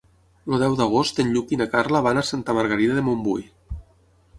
El deu d'agost en Lluc i na Carla van a Santa Margarida de Montbui.